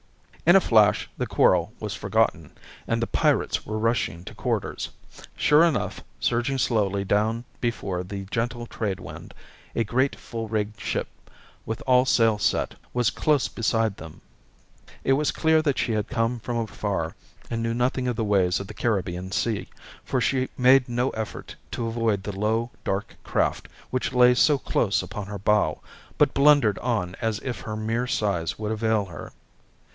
In a flash the quarrel was forgotten, and the pirates were rushing to quarters. Sure enough, surging slowly down before the gentle trade wind, a great full rigged ship, with all sail set, was close beside them. It was clear that she had come from afar and knew nothing of the ways of the Caribbean Sea, for she made no effort to avoid the low, dark craft which lay so close upon her bow, but blundered on as if her mere size would avail her.